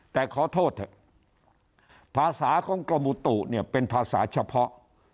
แต่ขอโทษเถอะภาษาของกรมอุตุเนี่ยเป็นภาษาเฉพาะ